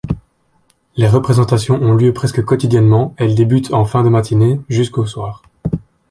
Les représentations ont lieu presque quotidiennement, elles débutent en fin de matinée, jusqu'au soir.